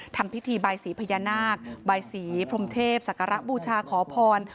ทำพิธีใบสีพญานาคบายสีพรมเทพศักระบูชาขอพร